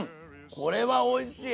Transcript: これはおいしい！